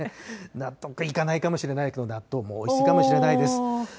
なっとくいかないかもしれないけど、納豆もおいしいかもしれないです。